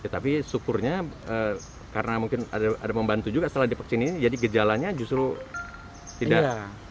tapi syukurnya karena mungkin ada membantu juga setelah divaksin ini jadi gejalanya justru tidak